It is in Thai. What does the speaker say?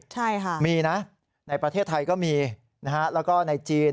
ใช่ค่ะมีนะในประเทศไทยก็มีนะฮะแล้วก็ในจีน